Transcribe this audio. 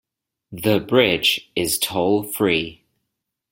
The bridge is toll-free.